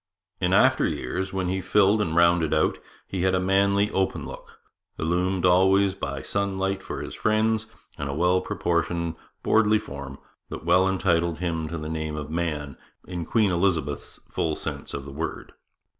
In after years, when he filled and rounded out, he had a manly open look, illumined always as by sunlight for his friends, and a well proportioned, 'buirdly' form, that well entitled him to the name of man in Queen Elizabeth's full sense of the word.